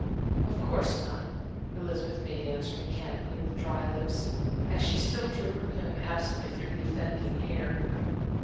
"Of course not," Elizabeth made answer mechanically with dry lips, as she still drew her comb absently through the offending hair.